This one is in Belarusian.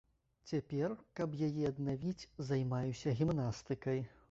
Цяпер, каб яе аднавіць, займаюся гімнастыкай.